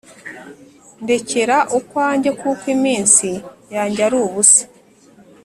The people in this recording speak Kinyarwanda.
ndekera ukwanjye kuko iminsi yanjye ari ubusa